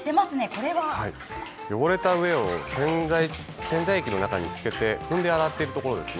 これは汚れた服を洗剤液の中に入れて踏んで洗っているところです。